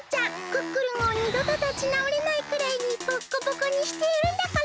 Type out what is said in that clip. クックルンをにどとたちなおれないくらいにボッコボコにしてやるんだから。